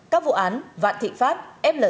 các vụ an vạn thị pháp f l